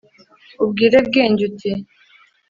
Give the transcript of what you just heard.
Ubwire Bwenge uti